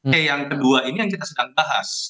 t yang kedua ini yang kita sedang bahas